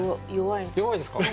弱いですか？